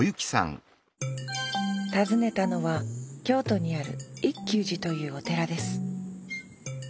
訪ねたのは京都にある一休寺というお寺です。